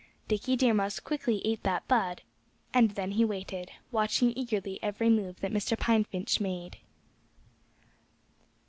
Dickie Deer Mouse quickly ate that bud; and then he waited, watching eagerly every move that Mr. Pine Finch made.